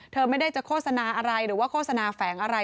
เธอไม่ได้จะโฆษณาอะไรหรือว่าโฆษณาแฝงอะไร